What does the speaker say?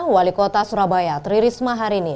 wali kota surabaya tri risma hari ini